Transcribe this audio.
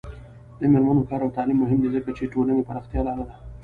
د میرمنو کار او تعلیم مهم دی ځکه چې ټولنې پراختیا لاره ده.